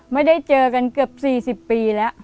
ไม่ได้เจอกันเกือบ๔๐ปีแล้ว